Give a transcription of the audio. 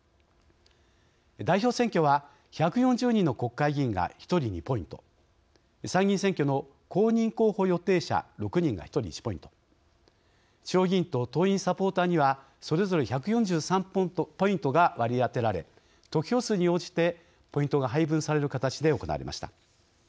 代表選挙は１４０人の国会議員が１人２ポイント参議院選挙の公認候補予定者６人が１人１ポイント地方議員と党員・サポーターにそれぞれ１４３ポイントが割り当てられ得票数に応じてポイントが配分される形で行われました。